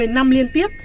một mươi năm liên tiếp